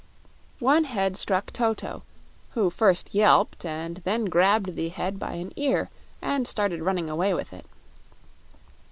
One head struck Toto, who first yelped and then grabbed the head by an ear and started running away with it.